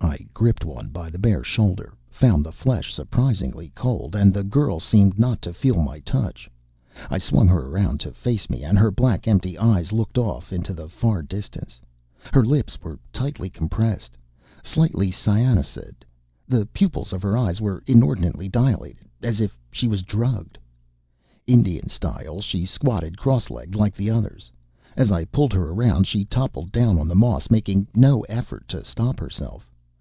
I gripped one by the bare shoulder, found the flesh surprisingly cold and the girl seemed not to feel my touch. I swung her around to face me, and her black, empty eyes looked off into the far distance. Her lips were tightly compressed, slightly cyanosed. The pupils of her eyes were inordinately dilated, as if she was drugged. Indian style, she squatted cross legged, like the others. As I pulled her around, she toppled down on the moss, making no effort to stop herself.